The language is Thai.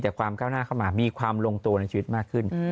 แต่ความก้าวหน้าเข้ามามีความลงตัวในชีวิตมากขึ้น